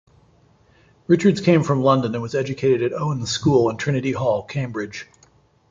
Richards came from London and was educated at Owen's School and Trinity Hall, Cambridge.